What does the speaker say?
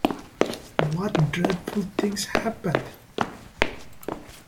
What dreadful things happened?